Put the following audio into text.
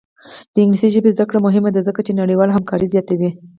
د انګلیسي ژبې زده کړه مهمه ده ځکه چې نړیوالې همکاري زیاتوي.